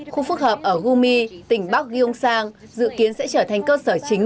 khu phức hợp ở gumi tỉnh bắc gyeongsang dự kiến sẽ trở thành cơ sở chính